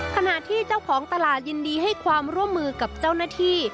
ขณะที่เจ้าของตลาดยินดีให้ความร่วมมือกับเจ้าหน้าที่